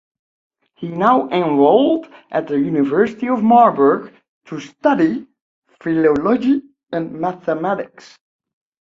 He now enrolled at the University of Marburg to study Philology and Mathematics.